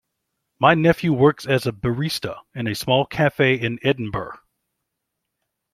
My nephew works as a barista in a small cafe in Edinburgh.